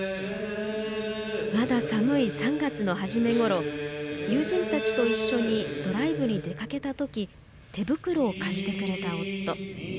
まだ寒い３月のはじめごろ友人たちと一緒にドライブに出かけた時手袋を貸してくれた夫。